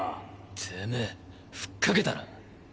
てめェふっかけたな。